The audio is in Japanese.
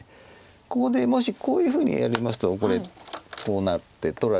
ここでもしこういうふうにやりますとこれこうなって取られてます。